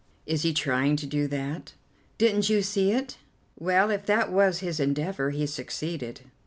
"Is he trying to do that?" "Didn't you see it?" "Well, if that was his endeavour, he succeeded."